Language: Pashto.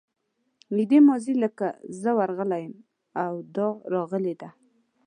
نږدې ماضي لکه زه ورغلی یم او دا راغلې ده.